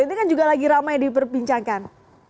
ini kan juga lagi ramai diperbincangkan